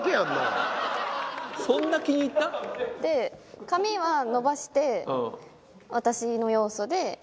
そんな気に入った？で髪は伸ばして私の要素で。